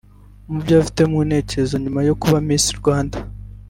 Mu byo afite mu ntekerezo nyuma yo kuba Miss Rwanda